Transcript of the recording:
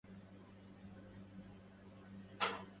قسما لقد رجع النسيم عليلا